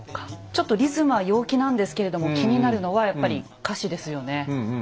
ちょっとリズムは陽気なんですけれども気になるのはやっぱり歌詞ですよね。